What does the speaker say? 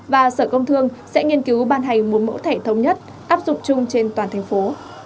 và sở công thương sẽ nghiên cứu ban hành một mẫu thẻ thống nhất áp dụng chung trên toàn thành phố